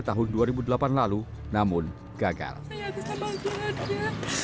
saya agak sama kegelarannya